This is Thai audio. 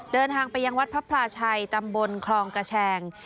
เดินทางไปยังวัดพระพลาชัยตำบลคลองกระแชง